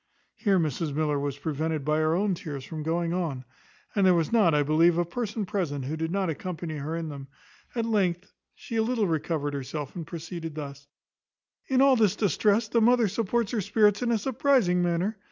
Here Mrs Miller was prevented, by her own tears, from going on, and there was not, I believe, a person present who did not accompany her in them; at length she a little recovered herself, and proceeded thus: "In all this distress the mother supports her spirits in a surprizing manner.